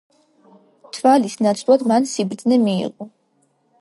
თვალის ნაცვლად მან სიბრძნე მიიღო.